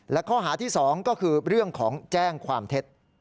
และข้อหาที่๒ก็คือเรื่องของแจ้งความเท็จ